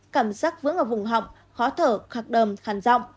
cảm giác vững ở vùng họng khó thở khắc đầm khăn rộng